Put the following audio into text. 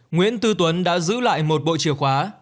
nguyễn tư tuấn đã giữ lại một bộ chìa khóa